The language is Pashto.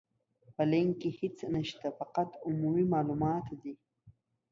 په لينک کې هيڅ نشته، فقط عمومي مالومات دي.